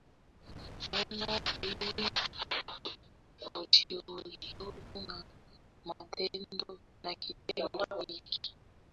neno hili kujiuzulu na kitendo hiki cha kujiuzulu unaweza ukusemaje